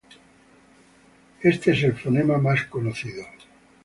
Este es el fonema más conocido.